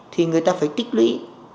thì người ta phải tích lũy